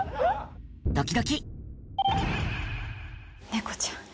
猫ちゃん。